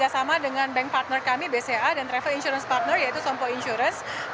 sama dengan bank partner kami bca dan travel insurance partner yaitu sompo insurance